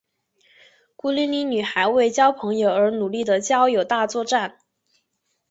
孤零零女孩为交朋友而努力的交友大作战。